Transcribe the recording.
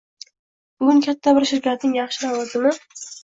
Bugun katta bir shirkatning yaxshi lavozimi.